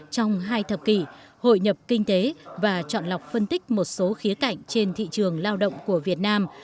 trong hai thập kỷ hội nhập kinh tế và chọn lọc phân tích một số khía cạnh trên thị trường lao động của việt nam